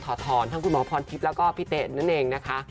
ทอนทั้งคุณหมอพรทิพย์แล้วก็พี่เตะนั่นเองนะคะ